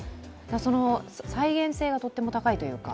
その再現性がとっても高いというか。